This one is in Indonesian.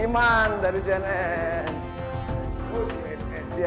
iman dari cnn